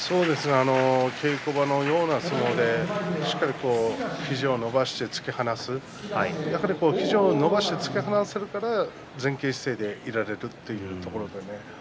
稽古場のような相撲でしっかり肘を伸ばして突き放す肘を伸ばして突き放せるから前傾姿勢でいられたというところです。